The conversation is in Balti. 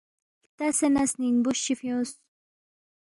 ہلتسے نہ سنِنگبُوس چی فیُونگس